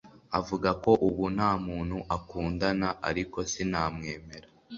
Avuga ko ubu nta muntu akundana ariko sinamwemera